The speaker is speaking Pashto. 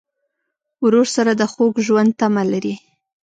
ورور سره د خوږ ژوند تمه لرې.